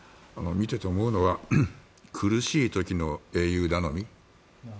見ていて思うのは苦しい時の英雄頼み。